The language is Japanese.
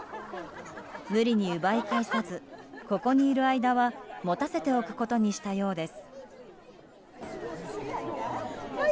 無理に奪い返さずここにいる間は持たせておくことにしたようです。